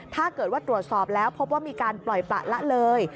ถ้าเกิดว่าตรวจสอบแล้วพบว่ามีการปล่อยประละเลย